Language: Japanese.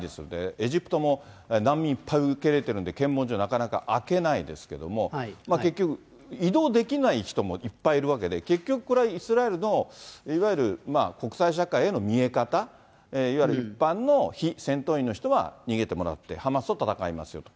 エジプトも難民いっぱい受け入れているんで、検問所なかなか開けないですけども、結局、移動できない人もいっぱいいるわけで、結局これはイスラエルのいわゆる国際社会への見え方、いわゆる一般の非戦闘員の方は逃げてもらって、ハマスと戦いますよと。